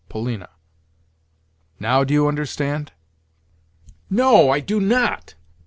Polina. Now do you understand?" "No, I do not!"